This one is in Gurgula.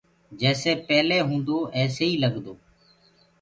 جيسي پيلي هوندو ايسو ئي لگدو